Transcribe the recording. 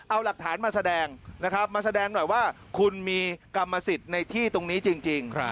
เอาหลักฐานมาแสดงนะครับมาแสดงหน่อยว่าคุณมีกรรมสิทธิ์ในที่ตรงนี้จริง